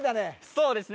そうですね